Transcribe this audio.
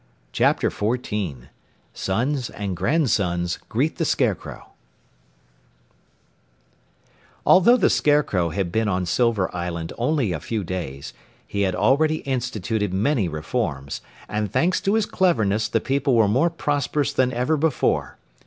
CHAPTER 14 SONS AND GRANDSONS GREET THE SCARECROW Although the Scarecrow had been on Silver Island only a few days, he had already instituted many reforms, and thanks to his cleverness the people were more prosperous than ever before.